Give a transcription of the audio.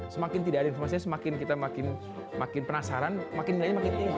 semakin tidak ada informasinya semakin kita makin penasaran makin nilainya makin tinggi